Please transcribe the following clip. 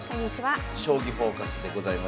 「将棋フォーカス」でございます。